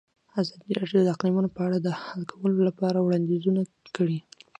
ازادي راډیو د اقلیتونه په اړه د حل کولو لپاره وړاندیزونه کړي.